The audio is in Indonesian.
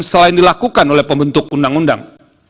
selain dilakukan oleh pembentuk undang undang